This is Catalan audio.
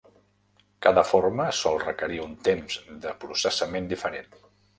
Cada forma sol requerir un temps de processament diferent.